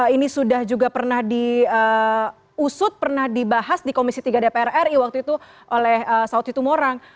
ini sudah juga pernah diusut pernah dibahas di komisi tiga dpr ri waktu itu oleh saud situmorang